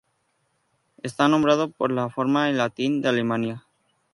Está nombrado por la forma en latín de Alemania.